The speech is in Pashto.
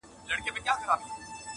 چي قاتِل مي د رڼا تر داره یو سم,